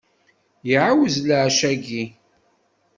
Iɛawez leɛca-ayyi.